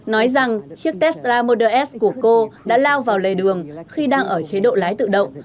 nói rằng chiếc tesla moders của cô đã lao vào lề đường khi đang ở chế độ lái tự động